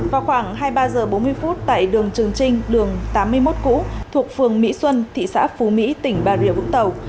vào khoảng hai mươi ba h bốn mươi phút tại đường trường trinh đường tám mươi một cũ thuộc phường mỹ xuân thị xã phú mỹ tỉnh bà rịa vũng tàu